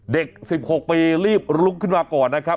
เด็ก๑๖ปีรีบลุกขึ้นมาก่อนนะครับ